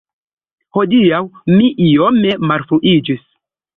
Hodiaŭ mi iome malfruiĝis.